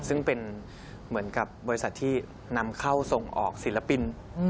ซึ่งเป็นเหมือนกับบริษัทที่นำเข้าส่งออกศิลปิน